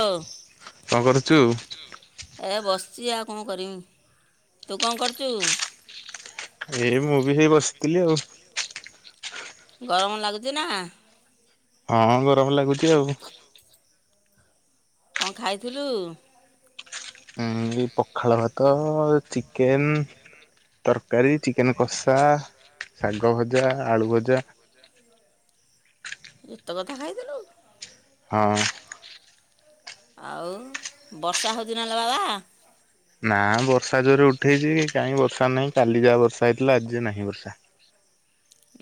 ହଉ କଣ କରୁଚୁ। ଏ ବସିଛି ଆଉ କଣ କରିମି‌ ତୁ କଣ କରୁଛୁ? ଏଇ ମୁଁ ବି ସେଇ ବସିଥିଲି ଆଉ। ଗରମ ଲାଗୁଛି ନା। ହଁ ଗରମ ଲାଗୁଚି ଆଉ। କଣ ଖାଇଥିଲୁ? ହୁଁ ଏଇ ପଖାଳ ଭାତ, ଚିକେନ ତରକାରୀ। ଚିକେନ କଷା, ଶାଗ ଭଜା, ଆଳୁ ଭଜା। ଏତେ କଥା ଖାଇଥିଲୁ। ହଁ। ଆଉ ବର୍ଷା ହଉଛି ନାଲୋ ବାବା? ନା ବର୍ଷା ଜୋରେ ଉଠେଇଛି କାହିଁ ବର୍ଷା ନାହିଁ କାଲି ଯାହା ବର୍ଷା ହେଇଥିଲା ଆଜି ନାହିଁ ବର୍ଷା।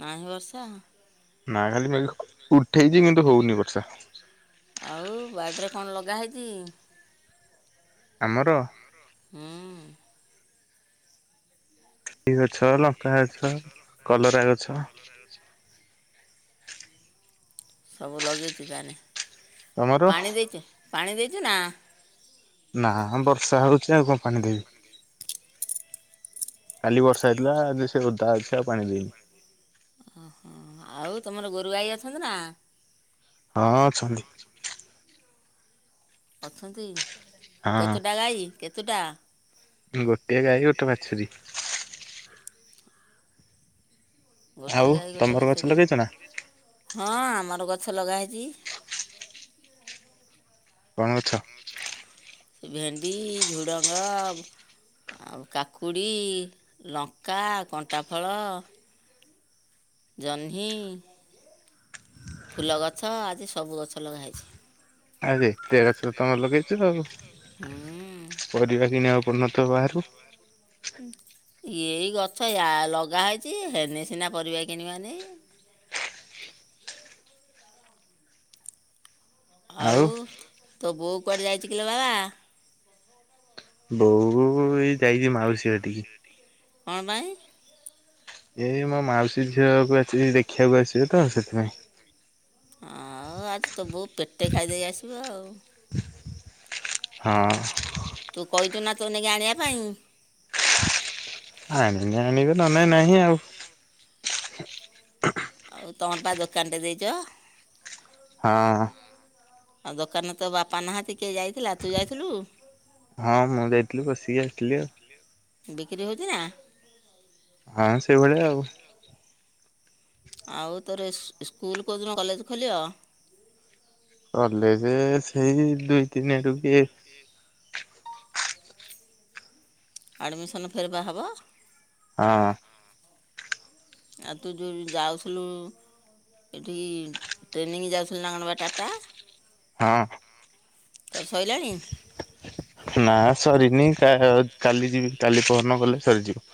ନାହିଁ ବର୍ଷା। ନାଇ ଖାଲି ମେଘ ଉଠେଇଛି କିନ୍ତୁ ହଉନି ବର୍ଷା। ଆଉ ବାଡ଼ିରେ କଣ ଲଗା ହେଇଛି‌। ଆମର। ହୁଁ। ଗଛ, ଲଙ୍କା ଗଛ, କଲରା ଗଛ। ସବୁ ଲଗେଇଛୁ ତାହେନେ ତମର? ପାଣି ଦେଇଚୁ ପାଣି ଦେଇଛୁ ନା? ନାଁ ନାଁ ବର୍ଷା ହଉଛି ଆଉ କଣ ପାଣି ଦେବି। କାଲି ବର୍ଷା ହେଇଥିଲା ଆଜି ବି ସେ ଓଦା ଅଛି ଆଉ ପାଣି ଦେଇନି। ଓହୋ ଆଉ ତମର ଗୋରୁ ଗାଈ ଅଛନ୍ତି ନା? ହଁ ଅଛନ୍ତି। ଅଛନ୍ତି ହଁ। କେତୁଟା ଗାଈ କେତୁଟା? ଗୋଟେ ଗାଈ ଗୋଟେ ବାଛୁରୀ। ଗୋଟେ ଆଉ ଗାଈ ଗୋଟେ ତମର ଗଛ ବାଛୁରୀ ଲଗେଇଛ ନା? ହଁ ଆମର ଗଛ ଲଗା ହେଇଛି। କଣ ଗଛ? ଏ ଭେଣ୍ଡି, ଝୁଡ଼ଙ୍ଗ। ଆଉ କାକୁଡ଼ି, ଲଙ୍କା, କଣ୍ଟାଫଳ। ଜହ୍ନି। ଫୁଲ ଗଛ ଆଜି ସବୁ ଗଛ ଲଗାହେଇଛି। ଆରେ ଗଛ ତ ଏତେ ତମର ଲଗେଇଛ ଗଛ ଆଉ ତମର ଲଗେଇଛ ଆଉ। ପରିବା କିଣିବାକୁ ପଡୁନଥିବ ବାହାରୁ। ଉଁ ଏଇ ଗଛ ୟା ଲଗା ହେଇଛି ହେନେ ସିନା ପରିବା କିଣିବାନେଇ। ଆଉ ତୋ ବୋଉ କୁଆଡେ ଯାଇଛି କିଲୋ ବାବା? ବୋଉ ଏଇ। ଯାଇଛି ମାଉସୀ ଘଟିକି। କଣ ପାଇଁ? ଏଇ ମୋ ମାଉସୀ ଝିଅକୁ ଆଜି ଦେଖିବାକୁ ଆସିବେ ତ ସେଥିପାଇଁ। ହଁ ଆଉ ଆଜି ତୋ ବୋଉ ପେଟେ ଖାଇଦେଇ ଆସିବ ଆଉ। ହଁ। ତୁ କଇଥୁ ନା ତୋ ନାଗି ଆଣିବା ପାଇଁ। ଆଣିଲେ ଆଣିବେ ନହେଲେ ନାହିଁ ଆଉ। ଆଉ ତମର ପା ଦୋକାନ ଟେ ଦେଇଚ? ହଁ। ଆଉ ଦୋକାନରେ ତ ବାପା ନାହାନ୍ତି କିଏ ଯାଇଥିଲା ତୁ ଯାଇଥିଲୁ। ହଁ ମୁଁ ଯାଇଥିଲି ବସିକି ଆସିଥିଲି ଆଉ। ବିକ୍ରି ହଉଚି ନା। ହଁ ସେଇଭଳିଆ ଆଉ। ଆଉ ତୋର ସ୍କୁ ସ୍କୁଲ କୋଉଦିନ କଲେଜ ଖୋଲିବ? କଲେଯେ ସେଇ ଦୁଇ ତିନି ଆଡକୁ କି [unintelligible] କେ ଆଡ଼ମିସନ୍ ଫେର୍ ପା ହବ। ହଁ। ଆଉ ତୁ ଯୋଉ ଯାଉଥିଲୁ ଏଠିକି ଟ୍ରେନିଂ ଯାଉଥିଲୁ ନା କଣବା ଟାଟା। ହଁ। ତୋର ସଇଲାଣି। ନା ସରିନି କା ଆ କାଲି ଯିବି କାଲି ପହରଦିନ ଗଲେ ସରିଯିବ।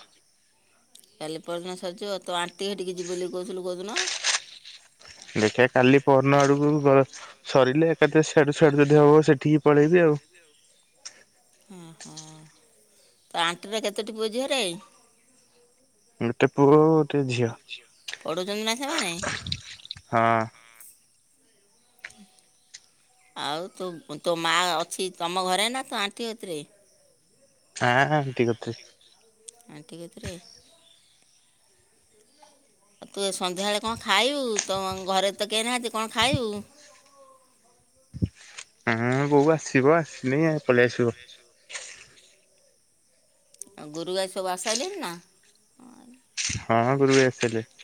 କାଲି ପରଦିନ ସରିଜିବ ତୋ ଆଣ୍ଟି ଘଠିକି ଯିବୁ ବୋଲି କହୁଥିଲୁ କଉଦିନ। ଦେଖିବା କାଲି ପହର ଦୀନ ଆଡକୁ। ସରିଲେ ଏକାଥରେ ସିଆଡୁ ସିଆଡୁ ଯଦି ହବ ସେଠିକି ପଳେଇବି ଆଉ। ଓ ହୋ ତୋ ଆଣ୍ଟିର କେତୋଟି ପୁଅ ଝିଅ ରେ? ଗୋଟେ ପୁଅ ଗୋଟେ ଝିଅ। ପଢ଼ୁଛନ୍ତି ନା ସେମାନେ? ହଁ। ଆଉ ତୁ ତୋ ମା ଅଛି ତମ ଘରେ ନା ତୋ ଆନଟି କତିରେ? ଆଁ ଆନଟି କତୀରେ। ଆଣ୍ଟି କତିରେ। ତୁ ଏ ସନ୍ଧ୍ୟାବେଳେ କଣ ଖାଇବୁ ତମ ଘରେ ତ କେହି ନାହାନ୍ତି କଣ ଖାଇବୁ? ହୁଁ ବୋଉ ଆସିବ ଆସିନି ଆଶ୍ ପଳେଇ ଆସିବ। ଆଉ ଗୋରୁ ଗାଈ ସବୁ ଆସୀସାଇଲେଣି ନା। ହଁ ଗୋରୁ ଗାଈ ଆସିସାରିଲେଣି।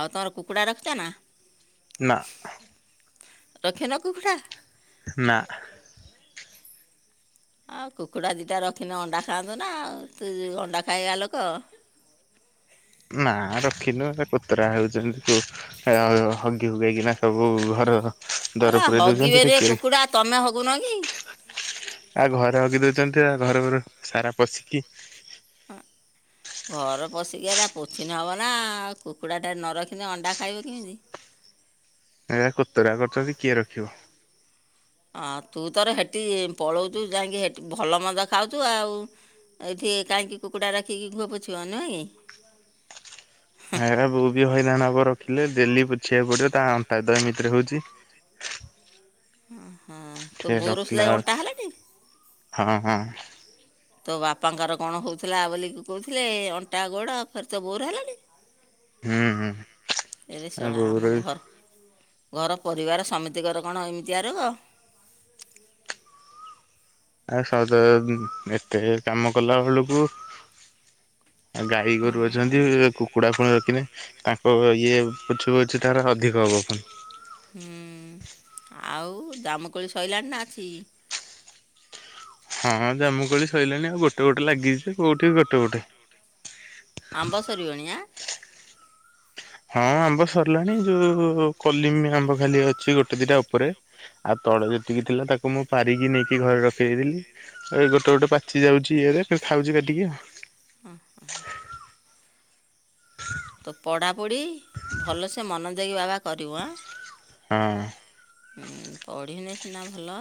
ଆଉ ତମର କୁକୁଡ଼ା ରଖିଛ ନା? ନା। ରଖିନ କୁକୁଡା। ନା। ଆଉ କୁକୁଡ଼ା ଦିଇଟା ରଖିନେ ଅଣ୍ଡା ଖାଆନ୍ତୁ ନା ତୁ ଅଣ୍ଡା ଖାଇବା ଲୋକ। ନା ରଖିନୁ ଏରା କୋତରା ହଉଛନ୍ତି କୁ ଆ ହଗି ହୁଗେଇକିନା ସବୁ ଘରର। ଆଲୋ ହଗିବେ ରେ କୁକୁଡ଼ା ତମେ ହଗୁନ କି? ଆଉ ଘରେ ହଗି ଦଉଛନ୍ତି ଆଉ ଘରରୁ ସାରା ପଶିକି। ଆଁ। ଘର ପଶିକି ହେରା ପୋଛିନେ ହବ ନା ଆଉ କୁକୁଡ଼ାଟା ନ ରଖିନେ ଅଣ୍ଡା ଖାଇବ କେମିତି? ଏରା କୋତରା କରୁଛନ୍ତି କିଏ ରଖିବ? ହଁ ତୁ ତୋର ହେଠି ପଳଉଚୁ ଯାଇକି ଭଲ ମନ୍ଦ ଖାଉଚୁ ଆଉ। ଏଠି କାହିଁକି କୁକୁଡା ରଖିକି ଘୁଅ ପୋଛିବ ନୁହଁ କି? ଆ ବୋଉ ବି ହଇରାଣ ହବ ରଖିଲେ ଡେଲି ପୋଛିବାକୁ ପଡିବ ତା ଅଣ୍ଟା ତ ଏମିତିରେ ହଉଛି। ହୁଁ ହୁ ସେ ରଖିଲା ହଁ ହଁ। ତୋ ବାପାଙ୍କର କଣ ହଉଥିଲା ବୋଲି କିକହୁଥିଲେ ଅଣ୍ଟା ଗୋଡ଼ ଫେରେ ତୋ ବୋଉର ହେଲାଣି। ହୁଁ ହୁ ହୁଁ ହୁ ଏରେ ଆ ଶଳା ବୋଉର ଆମ ଘର। ଘର ପରିବାର ସମିତିକର କଣ ଏମିତିଆ ରୋଗ। ଆଉ ସହଜେ ଉ ଏତେ କାମ କଲା ବେଳକୁ ଆ ଗାଈ ହୁଁ। ଗୋରୁ ଅଛନ୍ତି କୁକୁଡା ଫୁଣି ରଖିଲେ ତାଙ୍କ ଇଏ ପୋଛିପୋଛି ତାର ହଧିକ ହବ ଫୁଣି। ହୁ ଆଉ ଜାମୁଁକୋଳି ସଇଲାଣି ନା ଅଛି? ହଁ ଜାମୁ କଳି ସଇଲାଣି ଆଉ ଗୋଟେ ଗୋଟେ ଲାଗିଛି ଯେ କଉଠି ଗୋଟେ ଗୋଟେ ଆମ୍ବ ସରିବଣି ଆ? ହଁ ଆମ୍ବ ସରିଲାଣି ଯୋଉ କଲିମ ଆମ୍ବ ଖାଲି ଅଛି ଗୋଟେ ଦିଟା ଉପରେ। ଆଉ ତଳ ଯେତିକି ଥିଲା ତାକୁ ମୁଁ ପାରିକି ନେଇକି ଘରେ ରଖେଇଦେଇଥିଲି। ଏଇ ଗୋଟେ ଗୋଟେ ପାଚି ଯାଉଛି ଇଏରେ ପେ ଖାଉଛି କାଟିକି ବୁଝିବେ ଏତିକି ହ ହ। ତ ପଢ଼ାପଢ଼ି ଭଲସେ ମନ ଦେଇକି ବାବା କରିବୁ ଆଁ। ହଁ। ହୁ ପଢ଼ିଲେ ସିନା ଭଲ।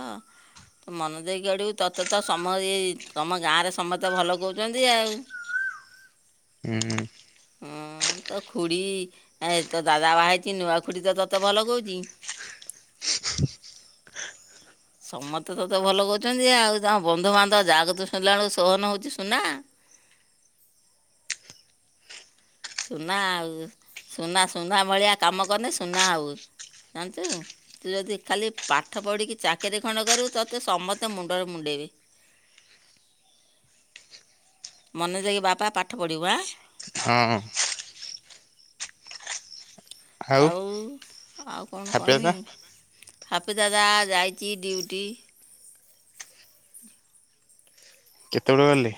ତ ମନେ ଦେଇକି ଆଡ଼ୁ ତୋତେ ତ ସମଇ ତମ ଗାଁରେ ସମସ୍ତେ ଭଲ କହୁଛନ୍ତି ଆଉ। ହୁଁ ହୁଁ। ହଁ ଅ ହଁ ତ ଖୁଡି ଏ ତ ଦାଦା ବାହା ହେଇଛି ନୂଆ ଖୁଡି ତ ତତେ ଭଲ କହୁଛି। [unintelligible] ସମସ୍ତେ ତୋତେ ଭଲ କହୁଛନ୍ତି ଆଉ ତମ ବନ୍ଧୁବାନ୍ଧବ ଜାଗ ତୁ ଶୁଣିଲା ବେଳକୁ ସୋହନ ହଉଛି ସୁନା। ସୁନା ଆଉ ସୁନା ସୁନା ଭଳିଆ କାମ କନେ ସୁନା ଆଉ ଜାଣିଛୁ। ତୁ ଯଦି ଖାଲି ପାଠ ପଢ଼ିକି ଚାକିରି ଖଣ୍ଡ କରିବୁ ତୋତେ ସମସ୍ତେ ମୁଣ୍ଡରେ ମୁଣ୍ଡେଇବେ। [unintelligible] ମନେ ଦେଇକି ବାପା ପାଠ ପଢ଼ିବୁ ଆଁ। ହଁ। ହୁଁ। ଆଉ ଆଉ କଣ ଖାଇବା କହିଁମି ପିଇବା ହାପି ଦାଦା ହାପି ଦାଦା ଯାଇଛି ଡ୍ୟୁଟି। କେତେବେଳେ ଗଲେ?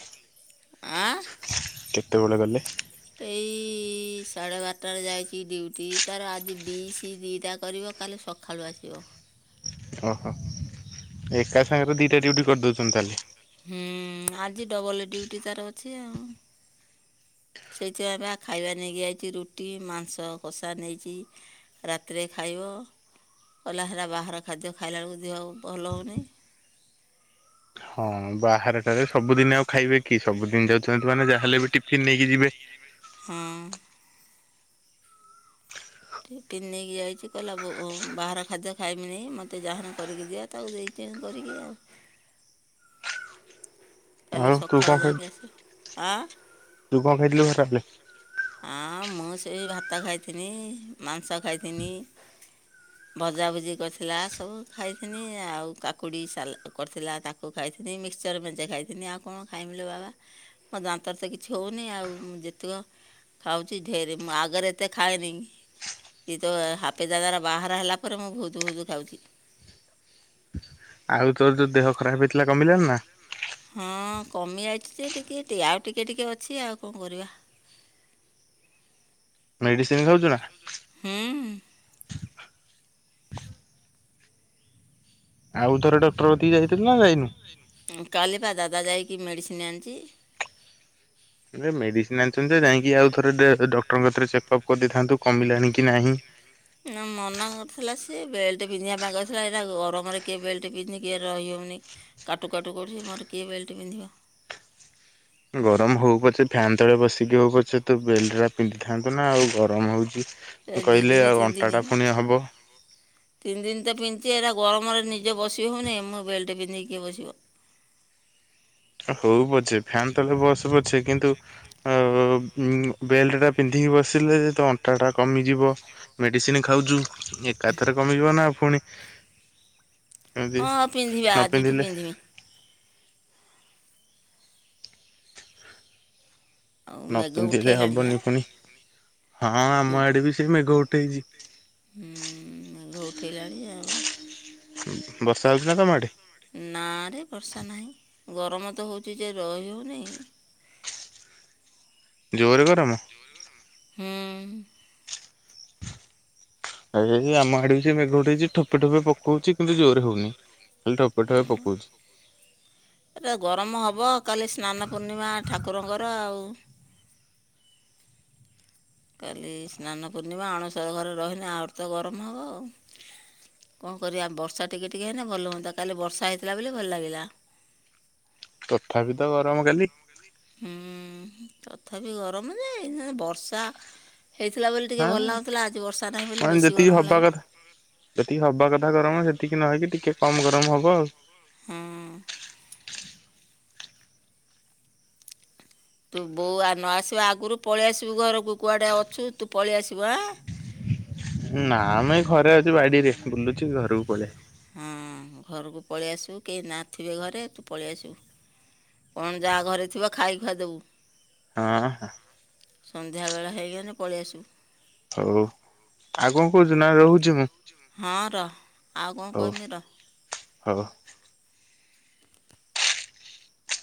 ଆ। କେତେବେଳେ ଗଲେ? ଏଇ ଇ ସାଢ଼େ ବାରଟାରେ ଯାଇଛି ଡ୍ୟୁଟି ତାର ଆଜି ବିସି ଦିଇଟା କରିବ କାଲି ସକାଳୁ ଆସିବ। ଓହୋ ଏକା ସାଙ୍ଗରେ ଦିଇଟା ଡ୍ୟୁଟି କରିଦେଉଛନ୍ତି ତାହେଲେ। ହୁଁ ଆଜି ଡବଲ ଡ୍ୟୁଟି ତାର ଅଛି ଆଉ। ସେଇଥିପାଇଁଁ ପା ଖାଇବା ନେଇକି ଯାଇଛି ରୁଟି ମାଂସ କଷା ନେଇଛି। ରାତିରେ ଖାଇବ କଲା ହେଲା ବାହାର ଖାଦ୍ୟ ଖାଇଲାବେଳକୁ ଦିହଉ ଭଲ ହେଉନି। ହଁ ବାହାରଟାରେ ସବୁଦିନ ଆଉ ଖାଇବେ କି ସବୁଦିନ ଯାଉଛନ୍ତି ମାନେ ଯାହାହେଲେ ବି ଟିଫିନ ନେଇକି ଯିବେ। ହଁ। ଟିଫିନ୍ ନେଇକି ଯାଇଛି କହିଲା ବୋଓ ବାହାର ଖାଦ୍ୟ ଖାଇମିନି ମୋତେ ଯାହାନେ କରିକି ଦିଅ ତାକୁ ଦେଇ ଟିନ୍ କରିକି ଆଉ। କାଲି ଆଉ ତୁ କଣ ସକାଳେ ଖାଇଲୁ ଯାଇକି ଆସ ଆ ତୁ କଣ ଖାଇଥିଲୁ? [unintelligible] ଆସିଲେ ହଁ ମୁଁ ସେଇ ଭାତ ଖାଇଥିନି ମାଂସ ଖାଇଥିନି। [inaudible] ଭଜାଭୁଜି କରିଥିଲା ସବୁ ଖାଇଥିନି ଆଉ କାକୁଡ଼ି ସାଲଟ କରିଥିଲା ତାକୁ ଖାଇଥିନି ମିକ୍ସଚର୍ ମେଞ୍ଚେ ଖାଇଥିନି ଆଉ କଣ ଖାଇମି ଲୋ ବାବା? ମୋ ଦାନ୍ତର ତ କିଛି ହଉନି ଆଉ। ଯେତିକ ଖାଉଛି ଢେର ମୁଁ ଆଗରେ ଏତେ ଖାଏନି। ଏଇ ତୋ ହାପିଦାଦାର ବାହାଘର ହେଲା ପରେ ମୁଁ ବହୁତ ବହୁତ ଖାଉଛି। ଆଉ ତୋର ଯୋଉ ଦେହ ଖରାପ ହେଇଥିଲା କମିଲା ନା? ହଁ କମି ଯାଇଛି ଯେ ଟିକେ ଟ ଆଉ ଟିକେ ଟିକେ ଅଛି ଆଉ କଣ କରିବା? ମେଡିସିନ୍ ଖାଉଛୁ ନା? ହୁଁ। ଆଉ ଥରେ ଡକ୍ଟର କତିକି ଯାଇଥିଲୁ ନା ଯାଇନୁ? କାଲି ପା ଦାଦା ଯାଇକି ମେଡ଼ିସିନ୍ ଆଣିଚି। ଏ ମେଡିସିନ ଆଣିଛନ୍ତି ଯାଇଁକି ଆଉ ଥରେ ଡକ୍ଟରଙ୍କ କତିରେ ଚେକ ଅପ୍ କରିଦେଇଥାନ୍ତୁ କମିଲାଣି କି ନାହିଁ? ନା ମନା କରିଥିଲା ସିଏ ବେଲ୍ଟ ପିନ୍ଧିବା ପାଇଁ କହିଥିଲା ଏଇରା ଗରମରେ କିଏ ବେଲ୍ଟ ପିନ୍ଧି କି ରହିହଉନି। କାଟୁ କାଟୁ କରୁଛି ମୋର କିଏ ବେଲ୍ଟ ପିନ୍ଧିବ। ଗରମ ହଉ ପଛେ ଫ୍ୟାନ୍ ତଳେ ବସିକି ହଉ ପଛେ ତ ବେଲ୍ଟଟା ପିନ୍ଧିଥାନ୍ତୁ ନା ଆଉ ଗରମ ହଉଛି। ଏ ଦୁଇ କହିଲେ ଦିନ ଆଉ ତିନି ଦିନ ଅଣ୍ଟା ଟା ପୁଣି ହବ। ତିନି ଦିନ ତ ପିନ୍ଧିଚି ଏଇରା ଗରମରେ ନିଜେ ବସିହଉନି ମୋର ବେଲ୍ଟ ପିନ୍ଧିକି କିଏ ବସିବ। ହଉ ପଛେ ଫ୍ୟାନ୍ ତଳେ ବସ ପଛେ କିନ୍ତୁ ଆଉ ବେଲ୍ଟ ଟା ପିନ୍ଧିକି ବସିଲେ ଯେ ତ ଅଣ୍ଟା ଟା କମିଯିବ। ମେଡିସିନ୍ ଖାଉଛୁ ଏକାଥରେ କମିଯିବ ନା ଆ ପୁଣି ଏମିତି ହଁ ପିନ୍ଧିବା ନ ଆଜିଠୁ ପିନ୍ଧିଲେ ପିନ୍ଧିବି। ଆଉ ନ ମେଘ ପିନ୍ଧିଲେ ଉଠେଇଲାଣି ହବନି ଆଁ ପୁଣି ହଁ ହୁଁ ଆମ ଆଡେ ବି ସେଇ ମେଘ ଉଠେଇଛି। ହୁଁ ମେଘ ଉଠେଇଲାଣି ଆଉ। ବର୍ଷା ହଉଛି ନା ତମ ଆଡେ? ନାରେ ବର୍ଷା ନାହିଁ ଗରମ ତ ହେଉଛି ଯେ ରହିହେଉନି। ଜୋରେ ଗରମ? ହୁଁ। ହେଇ ହେଇକି ଆମ ଆଡେ ସେଇ ମେଘ ଉଠେଇଛି ଠୋପେ ଠୋପେ ପକଉଛି କିନ୍ତୁ ଜୋରେ ହଉନି। ଖାଲି ଠୋପେ ଠୋପେ ହୁଁ ପକଉଛି। ଏରା ଗରମ ହେବ କାଲି ସ୍ନାନ ପୂର୍ଣ୍ଣିମା ଠାକୁରଙ୍କର ଆଉ। କାଲି ସ୍ନାନ ପୂର୍ଣ୍ଣିମା ଅଣସର ଘରେ ରହିଲେ ଆହୁରି ତ ଗରମ ହେବ ଆଉ। କଣ କରିବା ବର୍ଷା ଟିକେ ଟିକେ ହେନେ ଭଲ ହୁଅନ୍ତା କାଲି ବର୍ଷା ହେଇଥିଲା ବୋଲି ଭଲ ଲାଗିଲା। ତଥାପି ତ ଗରମ କାଲି। ହୁଁ ତଥାପି ଗରମ ଯେ ବର୍ଷା ହେଇଥିଲା ବୋଲି ଟିକେ ହଁ ଭଲ ଲାଗୁଥିଲା ଆଜି ବର୍ଷା ନାହିଁ ବୋଲି ମାନେ ବେଶୀ ଯେତିକି ଗରମ ହବା ଲାଗୁଛି। କଥା ଯେତିକି ହବା କଥା ଗରମ ସେତିକି ନହେଇକି ଟିକେ କମ ଗରମ ହବ ଆଉ। ହୁଁ। ତୁ ବୋଉ ଆ ନ ଆସିବା ଆଗରୁ ପଳେଇ ଆସିବୁ ଘରକୁ କୁଆଡ଼େ ଅଛୁ ତୁ ପଳେଇ ଆସିବୁ ଆଁ ନା ଆମେ ଏଇ ଘରେ ଅଛୁ ବାଡିରେ ବୁଲୁଚୁ ଘରକୁ ପଳେଇବା। ହଁ ଘରକୁ ପଳେଇ ଆସିବୁ କେହି ନାଥିବେ ଘରେ ତୁ ପଳେଇ ଆସିବୁ। କଣ ଯାହା ଘରେ ଥିବ ଖାଇ ଖୁଆଦବୁ। ହଁ ହଁ। ସନ୍ଧ୍ୟାବେଳ ହେଇଗନେ ପଳେଇ ଆସିବୁ। ହଉ ଆଉ କଣ କହୁଛୁ ନା ରହୁ ହଁ ର ଆଉ କଣ ହଉ କହିମି ର। ହଉ। [unintelligible]